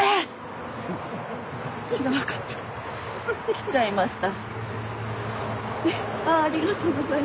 来ちゃいました。